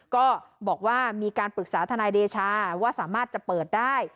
ก็บอกว่ามีการปรึกษาทนายเดชาว่าสามารถจะเปิดได้